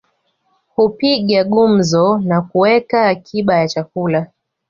Hupiga gumzo na huweka akiba ya chakula